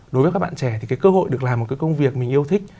đối với các bạn trẻ thì cái cơ hội được làm một cái công việc mình yêu thích